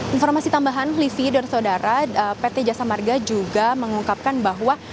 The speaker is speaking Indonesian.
informasi tambahan livi dan saudara pt jasa marga juga mengungkapkan bahwa